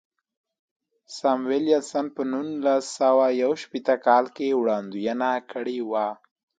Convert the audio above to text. ساموېلسن په نولس سوه یو شپېته کال کې وړاندوینه کړې وه.